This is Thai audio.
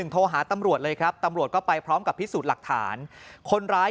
โทรหาตำรวจเลยครับตำรวจก็ไปพร้อมกับพิสูจน์หลักฐานคนร้าย